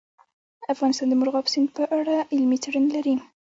افغانستان د مورغاب سیند په اړه علمي څېړنې لري.